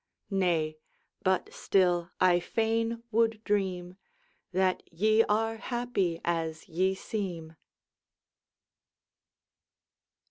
Nay but still I fain would dream That ye are happy as ye seem.